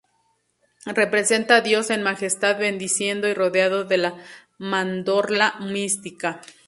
Representa a Dios en Majestad bendiciendo y rodeado de la mandorla mística.